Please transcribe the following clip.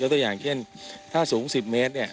ยกตัวอย่างเช่นถ้าสูง๑๐เมตร